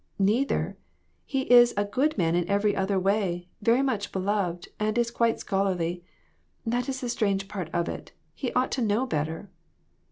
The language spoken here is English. "Neither. He is a good man in every other way, very much beloved and is quite scholarly. That is the strange part of it, he ought to know better."